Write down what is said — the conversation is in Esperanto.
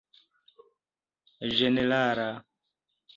ĝenerala